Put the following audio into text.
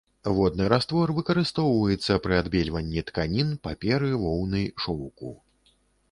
Водны раствор выкарыстоўваецца пры адбельванні тканін, паперы, воўны, шоўку.